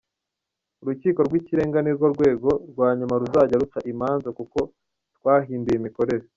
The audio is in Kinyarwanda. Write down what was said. Urukiko rw’Ikirenga nirwo rwego rwa nyuma ruzajya ruca imanza kuko twahinduye imikorere.